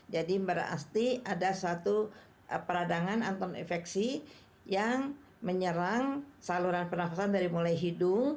jadi berarti ada satu peradangan antonefeksi yang menyerang saluran pernafasan dari mulai hidung